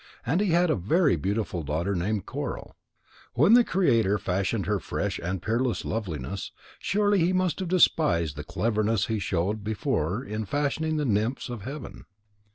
And he had a very beautiful daughter named Coral. When the Creator fashioned her fresh and peerless loveliness, surely he must have despised the cleverness he showed before in fashioning the nymphs of heaven.